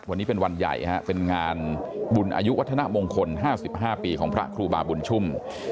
วันนี้เป็นวันใหญ่เป็นงานบุญอายุวัฒนมงคล๕๕ปีของพระครูบาบุญชุ่ม